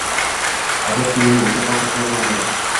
Ajabki, yana o‘sha hol takrorlandi